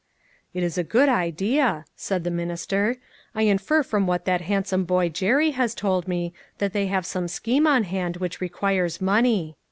" It is a good idea," said the minister. " I in fer from what that handsome boy Jerry has told me, that they have some scheme on hand which requires money.